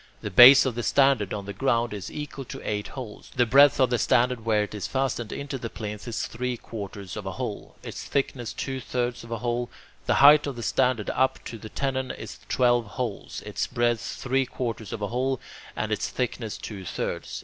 The base of the standard on the ground is equal to eight holes; the breadth of the standard where it is fastened into the plinth is three quarters of a hole, its thickness two thirds of a hole; the height of the standard up to the tenon is twelve holes, its breadth three quarters of a hole, and its thickness two thirds.